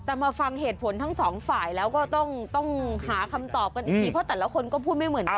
แต่มาฟังเหตุผลทั้งสองฝ่ายแล้วก็ต้องหาคำตอบกันอีกทีเพราะแต่ละคนก็พูดไม่เหมือนกัน